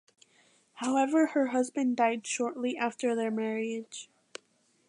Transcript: However her husband died shortly after their marriage.